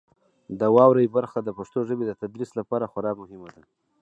د واورئ برخه د پښتو ژبې د تدریس لپاره خورا مهمه ده.